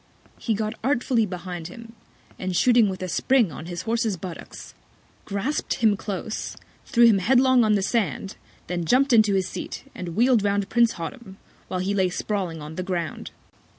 He got artfully behind him, and shooting with a Spring on his Horses Buttocks, grasp'd him close, threw him headlong on the Sand, then jump'd into his Seat, and wheel'd round Prince Hottam, while he lay sprawling on the Ground.